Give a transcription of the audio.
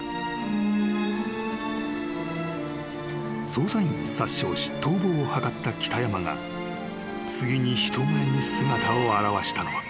［捜査員を殺傷し逃亡を図った北山が次に人前に姿を現したのは］